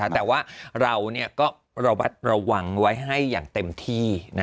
แต่ว่าเราก็ระวัดระวังไว้ให้อย่างเต็มที่